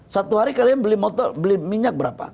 satu hari kalian beli minyak berapa